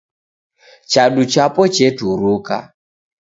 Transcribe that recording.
Chadu chapo cheturuka.